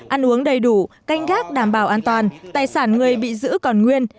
ăn uống đầy đủ canh gác đảm bảo an toàn tài sản người bị giữ còn nguyên